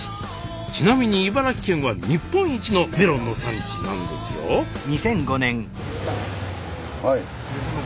ちなみに茨城県は日本一のメロンの産地なんですよはい。